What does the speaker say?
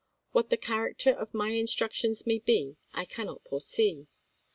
What the character Anderson of my instructions may be I cannot foresee.